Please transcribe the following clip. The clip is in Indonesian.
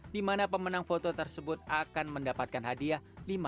di mana pemenang foto tersebut akan mendapatkan hadiah